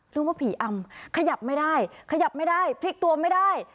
หรือว่าผีอำขยับไม่ได้ขยับไม่ได้พลิกตัวไม่ได้